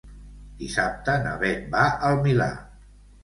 Dissabte na Beth va al Milà.